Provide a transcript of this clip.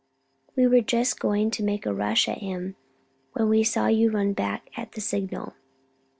We were just going to make a rush at him when we saw you run back at the signal."